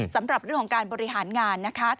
สำหรับเรื่องของการบริหารงานนะคะ